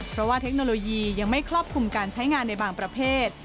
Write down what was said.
เพราะว่าเทคโนโลยียังไม่ครอบคลุมการใช้งานในบางประเภท